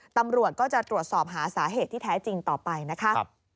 ตำรวจก็จะตรวจสอบหาสาเหตุที่แท้จริงต่อไปนะคะ